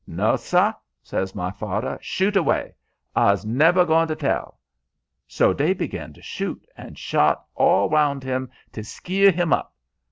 'No, suh,' says my fader; 'shoot away. I's neber goin' t' tell.' So dey begin to shoot, and shot all roun' 'm to skeer 'm up.